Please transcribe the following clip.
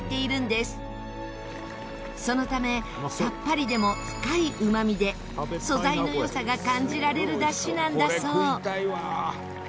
そのためさっぱりでも深いうまみで素材の良さが感じられる出汁なんだそう。